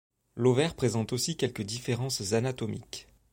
L'ovaire présente aussi quelques différences anatomiques.